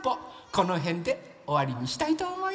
このへんでおわりにしたいとおもいます。